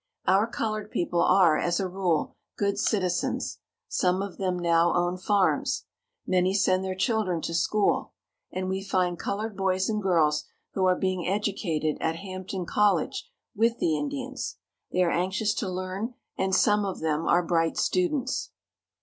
Our colored people are, as a rule, good citizens. Some of them now own farms. Many send their children to school, and we find colored boys and girls who are being educated at Hampton College with the Indians. They are anxious to learn, and some of them are bright students.